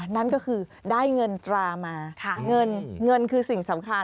นั่นก็คือได้เงินตรามาเงินเงินคือสิ่งสำคัญ